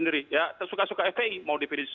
sendiri ya suka suka fpi mau definisi